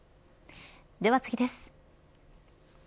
では次です。